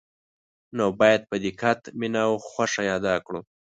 نو باید په دقت، مینه او خوښه یې ادا کړو.